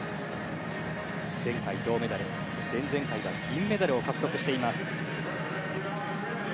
前回、銅メダル前々回は銀メダルを獲得しています。